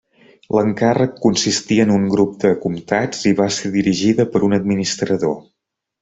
L'encàrrec consistia en un grup de comtats, i va ser dirigida per un administrador.